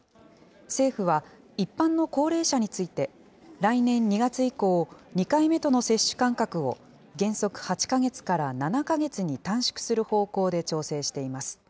政府は、一般の高齢者について、来年２月以降、２回目との接種間隔を原則８か月から７か月に短縮する方向で調整しています。